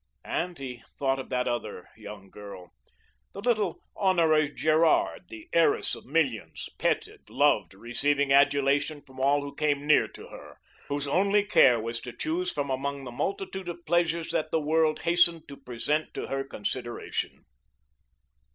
And he thought of that other young girl, the little Honora Gerard, the heiress of millions, petted, loved, receiving adulation from all who came near to her, whose only care was to choose from among the multitude of pleasures that the world hastened to present to her consideration.